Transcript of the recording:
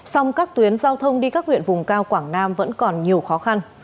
song các tuyến giao thông đi các huyện vùng cao quảng nam vẫn còn nhiều khó khăn